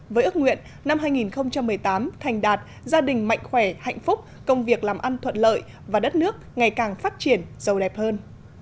với ước nguyện năm hai nghìn một mươi tám thành đạt gia đình mạnh khỏe hạnh phúc công việc làm ăn thuận lợi và đất nước ngày càng phát triển giàu đẹp hơn